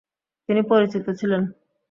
তিনি পরিচিত ছিলেন।